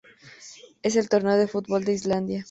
Es el torneo del fútbol de Islandia.